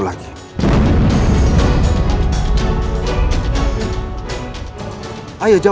kalau nanti kalau mau ngirem